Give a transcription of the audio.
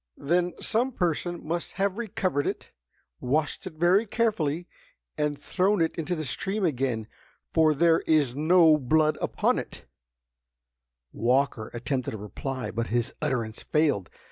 "Then some person must have recovered it, washed it very carefully, and thrown it into the stream again, for there is NO blood upon it!" Walker attempted a reply, but his utterance failed.